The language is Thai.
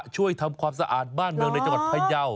ช่วยทำความสะอาดบ้านบนในจังหวัดภายเยาว์